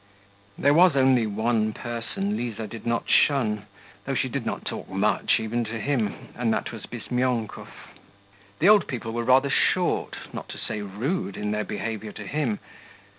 There was only one person Liza did not shun, though she did not talk much even to him, and that was Bizmyonkov. The old people were rather short, not to say rude, in their behaviour to him.